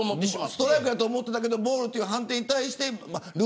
ストライクと思っていたのにボールという判定に対して。